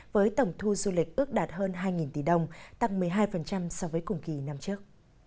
với tổng thu du lịch ước đạt hơn hai tỷ đồng tăng một mươi hai so với cùng kỳ năm trước